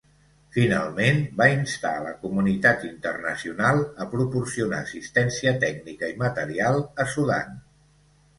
Finalment, va instar a la comunitat internacional a proporcionar assistència tècnica i material a Sudan.